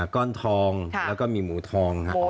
ก้อนทองแล้วก็มีหมูทองครับ